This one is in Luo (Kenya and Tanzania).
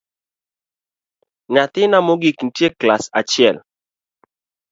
Nyathina mogik nitie e klas achiel